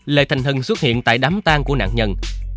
lệ thành hừng xuất hiện tại đám tan của nạn nhân